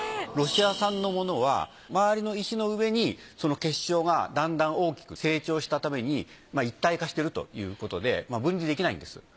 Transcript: ロシア産のものは周りの石の上にその結晶がだんだん大きく成長したために一体化してるということで分離できないんです。